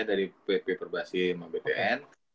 dari pp perbasim dan bpn